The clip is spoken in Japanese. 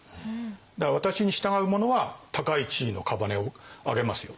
だから私に従う者は高い地位の姓をあげますよと。